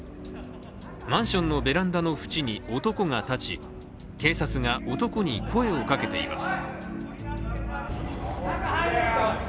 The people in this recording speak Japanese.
マンションのベランダのふちに男が立ち警察が男に声をかけています。